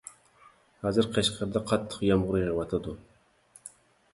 ھازىر قەشقەردە قاتتىق يامغۇر يېغىۋاتىدۇ!